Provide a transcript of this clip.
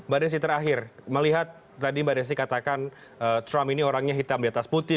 mbak desi terakhir melihat tadi mbak desi katakan trump ini orangnya hitam di atas putih